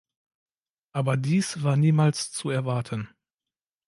Aber dies war niemals zu erwarten.